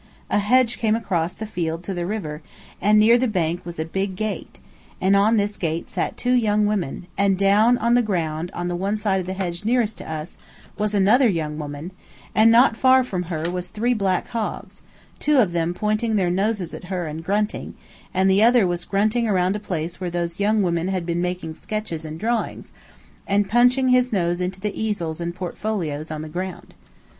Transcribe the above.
A hedge came across the field to the river, and near the bank was a big gate, and on this gate sat two young women, and down on the ground on the side of the hedge nearest to us was another young woman, and not far from her was three black hogs, two of them pointing their noses at her and grunting, and the other was grunting around a place where those young women had been making sketches and drawings, and punching his nose into the easels and portfolios on the ground.